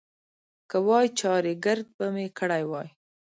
که وای، چارېګرد به مې کړی وای.